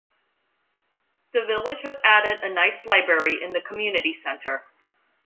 The village has added a nice library in the community center.